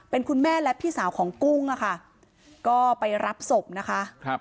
เป็นคุณแม่และพี่สาวของกุ้งอะค่ะก็ไปรับศพนะคะ